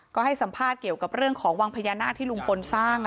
ก็ให้สัมภาษณ์เกี่ยวกับเรื่องของวังพญานาคที่ลุงพลสร้าง